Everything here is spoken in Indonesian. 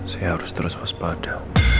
saya harus terus waspada